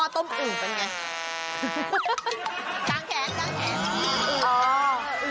จางแขน